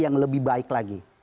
yang lebih baik lagi